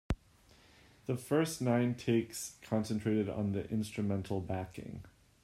The first nine takes concentrated on the instrumental backing.